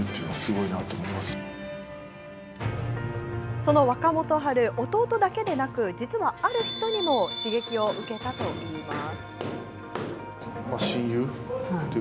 その若元春、弟だけでなく、実はある人にも刺激を受けたといいます。